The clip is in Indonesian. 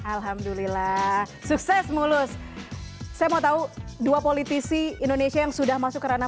alhamdulillah sukses mulus saya mau tahu dua politisi indonesia yang sudah masuk ke ranah